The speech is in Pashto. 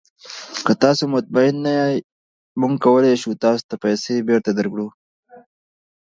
که تاسو مطمین نه یاست، موږ کولی شو تاسو ته پیسې بیرته درکړو.